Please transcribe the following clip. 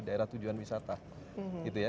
daerah tujuan wisata gitu ya